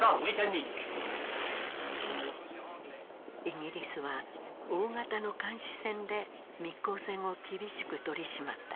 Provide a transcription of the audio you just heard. イギリスは大型の監視船で密航船を厳しく取り締まった。